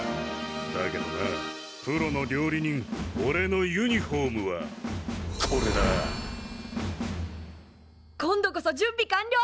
だけどなプロの料理人おれのユニフォームはこれだ！今度こそ準備完了！